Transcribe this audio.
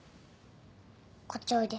こっちおいで。